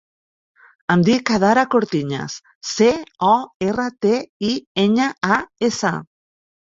Em dic Adhara Cortiñas: ce, o, erra, te, i, enya, a, essa.